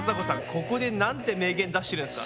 ここでなんて名言出してるんですか。